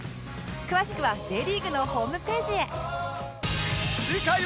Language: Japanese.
詳しくは Ｊ リーグのホームページへ